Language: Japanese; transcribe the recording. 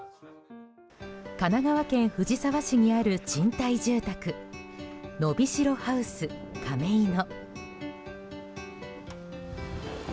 神奈川県藤沢市にある賃貸住宅ノビシロハウス亀井野。